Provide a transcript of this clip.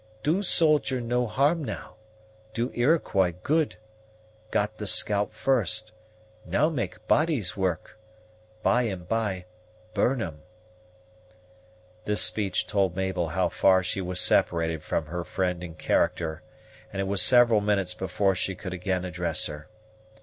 "Do soldier no harm now; do Iroquois good; got the scalp first; now make bodies work. By and by, burn 'em." This speech told Mabel how far she was separated from her friend in character; and it was several minutes before she could again address her.